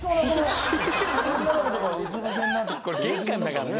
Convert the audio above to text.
これ玄関だからね。